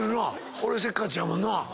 俺せっかちやもんな。